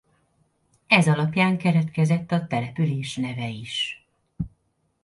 Ez alapján keletkezett a település neve is.